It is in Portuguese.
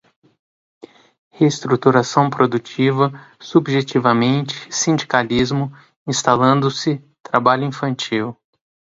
Reestruturação produtiva, subjetivamente, sindicalismo, instalando-se, trabalho infantil